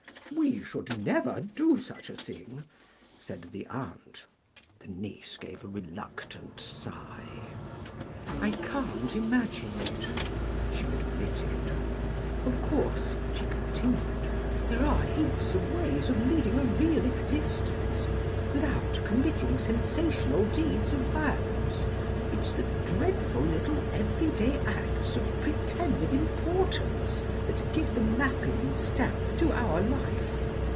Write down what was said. "We should never do such a thing," said the aunt. The niece gave a reluctant sigh. "I can't imagine it," she admitted. "Of course," she continued, "there are heaps of ways of leading a real existence without committing sensational deeds of violence. It's the dreadful little everyday acts of pretended importance that give the Mappin stamp to our life.